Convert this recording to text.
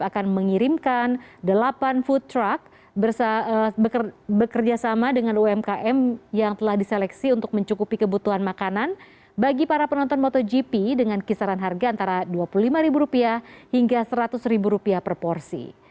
akan mengirimkan delapan food truck bekerjasama dengan umkm yang telah diseleksi untuk mencukupi kebutuhan makanan bagi para penonton motogp dengan kisaran harga antara rp dua puluh lima hingga rp seratus per porsi